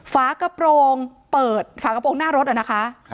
ฝากระโปรงเปิดฝากระโปรงหน้ารถนะคะ